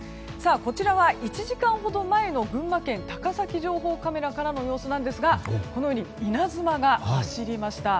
こちらは、１時間ほど前の群馬県高崎情報カメラからの様子なんですが稲妻が走りました。